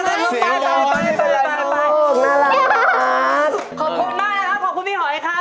ขอบคุณมากนะครับขอบคุณพี่หอยครับ